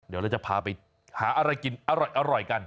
เดี๋ยวเราจะพาไปหาอะไรกินอร่อยกัน